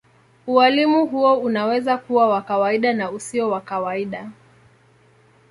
Ualimu huo unaweza kuwa wa kawaida na usio wa kawaida.